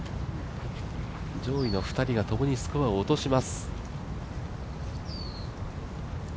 上位の２人がともにスコアを落とします。